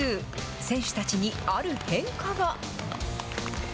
選手たちにある変化が。